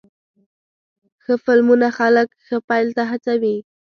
ښه فلمونه خلک ښه پیل ته هڅوې.